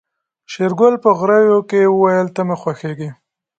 شېرګل په غريو کې وويل ته مې خوښيږې.